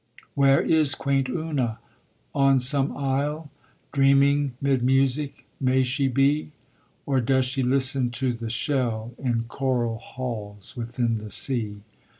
Where is quaint Una? On some isle, Dreaming 'mid music, may she be? Or does she listen to the shell In coral halls within the sea?